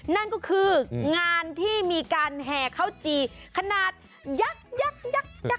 นั่นก็คืองานที่มีการแห่ข้าวจีขนาดยักยักยัก